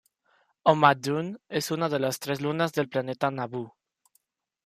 Ohma-D'un es una de las tres lunas del planeta Naboo.